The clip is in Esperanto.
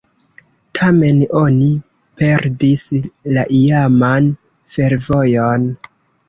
Tamen oni perdis la iaman fervojon.